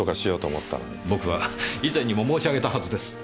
僕は以前にも申し上げたはずです。